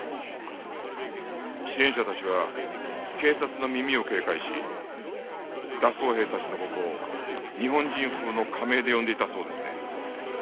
支援者たちは警察の耳を警戒し脱走兵たちの事を日本人風の仮名で呼んでいたそうですね。